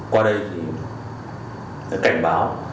qua đây thì cảnh báo